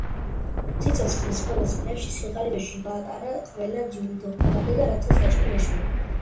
სიცოცხლის ბოლო წლები სიღარიბეში გაატარა, ყველა ჯილდო გაყიდა რათა საჭმელი ეშოვა.